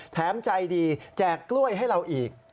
แถมใจดีแจกกล้วยให้เราอีก